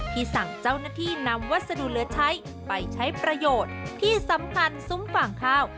สั่งเจ้าหน้าที่นำวัสดุเหลือใช้ไปใช้ประโยชน์ที่สำคัญซุ้มฝั่งข้าว